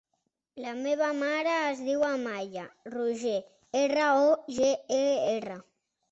La meva mare es diu Amaya Roger: erra, o, ge, e, erra.